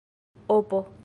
opo